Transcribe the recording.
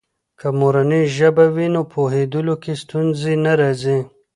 که مورنۍ ژبه وي، نو پوهیدلو کې ستونزې نه راځي.